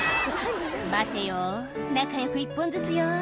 「待てよ仲良く１本ずつよ」